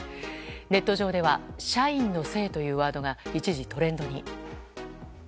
ネット上では社員のせいというワードが一時、トレンドに。